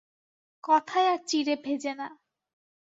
কথায় আর চিঁড়ে ভেজে না।